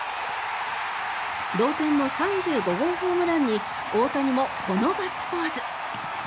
同点の３５号ホームランに大谷もこのガッツポーズ。